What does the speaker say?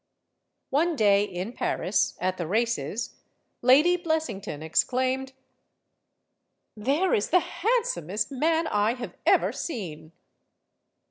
One day in Paris, at the races, Lady Blessington exclaimed : "There is the handsomest man I have ever seen!"